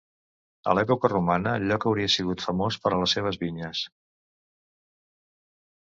A l'època romana, el lloc hauria sigut famós per a les seves vinyes.